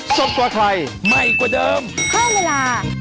สวัสดีค่ะ